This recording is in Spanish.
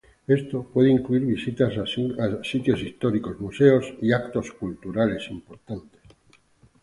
Esto puede incluir visitas a sitios históricos, museos y eventos culturales importantes.